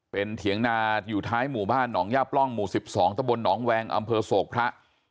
เป็นเถียงนาอยู่ท้ายหมู่บ้านหนองย่าปล้องหมู่๑๒ตะบลหนองแวงอำเภอโศกพระ